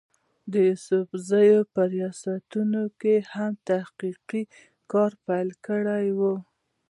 د يوسفزو پۀ رياستونو هم تحقيقي کار پېل کړی وو